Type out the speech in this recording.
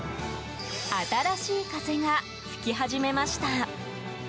新しい風が吹き始めました。